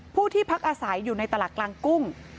ผู้ที่พักอาศัยอยู่ในตลาดกลางกุ้ง